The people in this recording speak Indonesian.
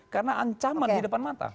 karena ancaman di depan mata